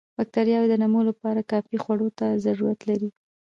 باکټریاوې د نمو لپاره کافي خوړو ته ضرورت لري.